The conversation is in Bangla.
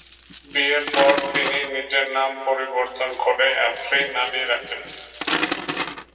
বিয়ের পর তিনি নিজের নাম পরিবর্তন করে আফরিন আলি রাখেন।